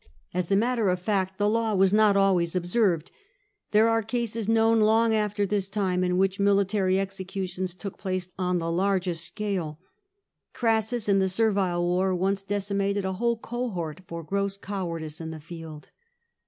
^ As a matter of fact, the law was not always observed. There are cases known, long after this time, in which military executions took place on the largest scale. Crassus, in the Servile War, once decimated a whole cohort for gross cowardice in the field.